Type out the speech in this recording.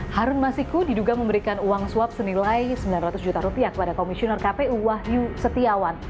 harun masiku diduga memberikan uang suap senilai sembilan ratus juta rupiah kepada komisioner kpu wahyu setiawan